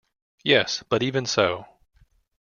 Yes, but even so.